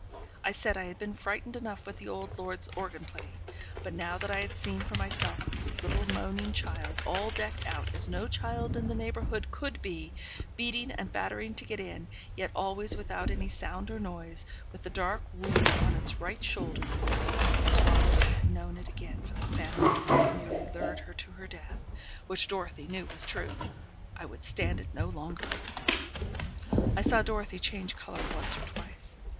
I said I had been frightened enough with the old lord's organ playing; but now that I had seen for myself this little moaning child, all decked out as no child in the neighbourhood could be, beating and battering to get in, yet always without any sound or noise with the dark wound on its right shoulder; and that Miss Rosamond had known it again for the phantom that had nearly lured her to her death (which Dorothy knew was true); I would stand it no longer. I saw Dorothy change colour once or twice.